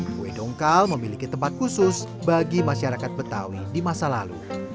kue dongkal memiliki tempat khusus bagi masyarakat betawi di masa lalu